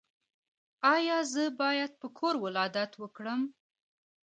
ایا زه باید په کور ولادت وکړم؟